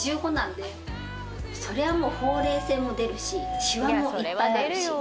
それはもうほうれい線も出るしシワもいっぱいあるし。